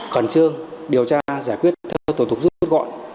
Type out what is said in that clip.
khẩn trương điều tra giải quyết các tổ chức rút gọn